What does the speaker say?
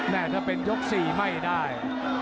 แน่นจะเป็นยกสี่ไม่ได้